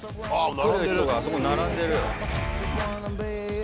来る人が、あそこ並んでる。